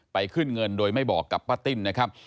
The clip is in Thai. ขึ้นเงินโดยไม่บอกกับป้าติ้นนะครับ